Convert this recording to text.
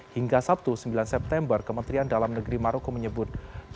hingga sabtu sembilan september kementerian dalam negeri maroko menyebut